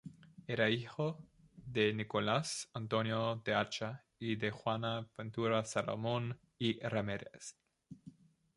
Era hijo de Nicolás Antonio de Acha y de Juana Ventura Salomón y Ramírez.